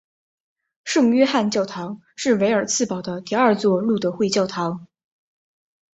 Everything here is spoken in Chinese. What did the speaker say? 圣约翰教堂是维尔茨堡的第二座路德会教堂。